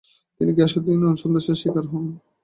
তিনি গিয়াসউদ্দিনের অসন্তোষের শিকার হন।